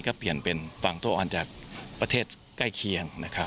ก็เปลี่ยนเป็นฝั่งตัวอ่อนจากประเทศใกล้เคียงนะครับ